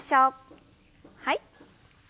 はい。